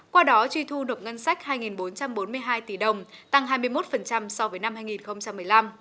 qua đó truy thu được ngân sách hai bốn trăm bốn mươi hai tỷ đồng tăng hai mươi một so với năm hai nghìn một mươi năm